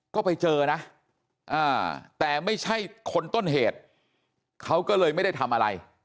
ก็ไปเจอนะแต่ไม่ใช่คนต้นเหตุเขาก็เลยไม่ได้ทำอะไร